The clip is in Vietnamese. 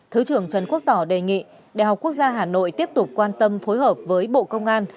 thứ trưởng trần quốc tỏ đề nghị đại học quốc gia hà nội tiếp tục quan tâm phối hợp với bộ công an